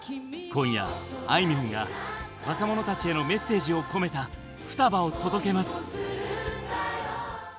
今夜、あいみょんが若者たちへのメッセージを込めた「双葉」を届けます。